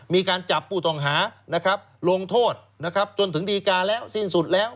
มีการจับผู้ต่องหาลงโทษจนถึงดีการแล้วสิ้นสุดแล้ว